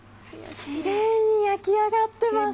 キレイに焼き上がってます。